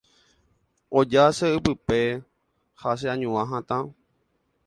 Oja che ypýpe ha che añua hatã